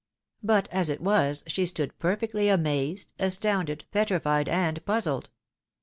But as it was, she stood perfectly amazed, astounded, petrified, and puzzled.